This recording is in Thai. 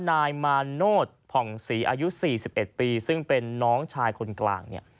นายมาโนธผ่องศรีอายุ๔๑ปีซึ่งเป็นน้องชายคนกลางเนี่ย